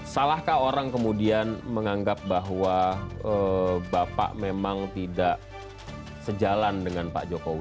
salahkah orang kemudian menganggap bahwa bapak memang tidak sejalan dengan pak jokowi